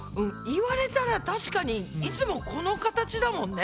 言われたら確かにいつもこの形だもんね。